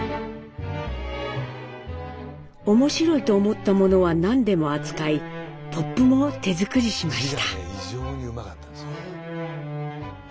面白いと思ったものは何でも扱いポップも手作りしました。